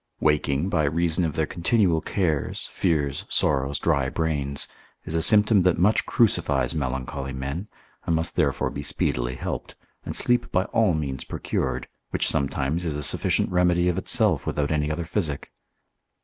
Waking, by reason of their continual cares, fears, sorrows, dry brains, is a symptom that much crucifies melancholy men, and must therefore be speedily helped, and sleep by all means procured, which sometimes is a sufficient remedy of itself without any other physic.